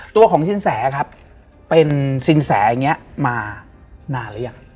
ตัวของสินแสครับเป็นสินแสอย่างนี้มานานหรือยัง